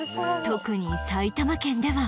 特に埼玉県では